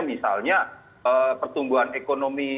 misalnya pertumbuhan ekonomi